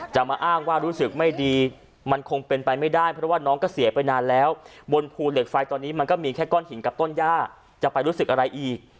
มาอ้างว่ารู้สึกไม่ดีมันคงเป็นไปไม่ได้เพราะว่าน้องก็เสียไปนานแล้วบนภูเหล็กไฟตอนนี้มันก็มีแค่ก้อนหินกับต้นย่าจะไปรู้สึกอะไรอีก